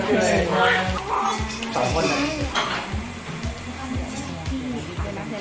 เดี๋ยวน้ำ